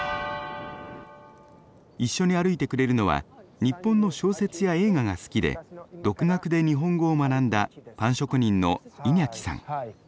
一緒に歩いてくれるのは日本の小説や映画が好きで独学で日本語を学んだパン職人のイニャキさん。